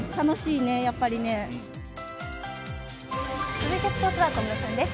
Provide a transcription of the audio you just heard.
続いてスポーツは小室さんです。